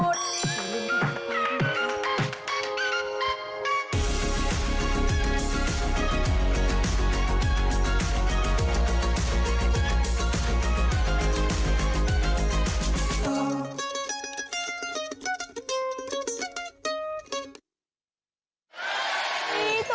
ไปก่อนอีกแค่กำลังเที่ยว